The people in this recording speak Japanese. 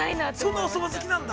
◆そんなおそば好きなんだ。